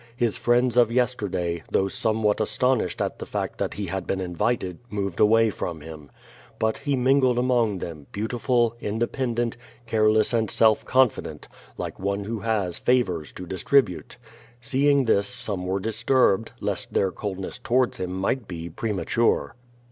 His friends of yesterday, though somewhat astonished at the fact that he had been invited moved away from him. But he mingled among them, beautiful, independent, careless and self confident, like one who has favors to distribute. Seeing this some were disturbed, lest their coldness towards him might be premature.